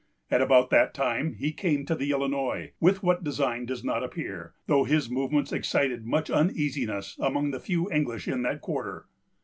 At about that time he came to the Illinois, with what design does not appear, though his movements excited much uneasiness among the few English in that quarter.